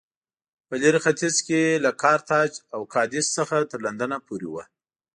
په لېرې ختیځ کې له کارتاج او کادېس څخه تر لندنه پورې و